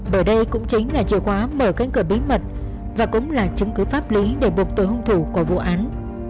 bởi đây cũng chính là chìa khóa mở cánh cửa bí mật và cũng là chứng cứ pháp lý để buộc tội hung thủ của vụ án